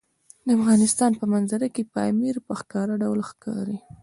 د افغانستان په منظره کې پامیر په ښکاره ډول ښکاري.